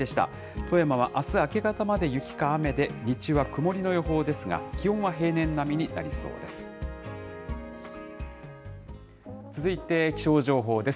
富山はあす明け方まで雪か雨で、日中は曇りの予報ですが、気温は平年並みになりそうです。